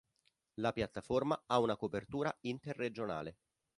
La piattaforma ha una copertura interregionale.